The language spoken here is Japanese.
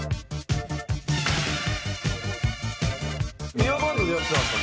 エアバンドでやってたんですか？